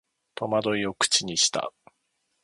戸惑いを口にした